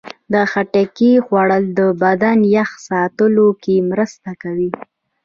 د خټکي خوړل د بدن یخ ساتلو کې مرسته کوي.